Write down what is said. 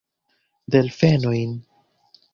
Delfenojn!